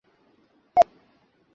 এগুলি কোন বিশেষ ভাবের দ্যোতক নয়।